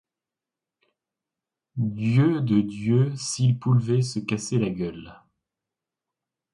Dieu de Dieu, s'il pouvait se casser la gueule !